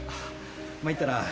参ったな。